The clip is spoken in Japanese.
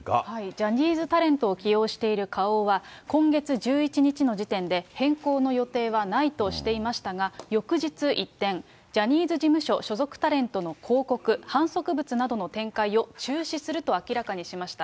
ジャニーズタレントを起用している花王は、今月１１日の時点で変更の予定はないとしていましたが、翌日、一転、ジャニーズ事務所所属タレントの広告、販促物などの展開を中止すると明らかにしました。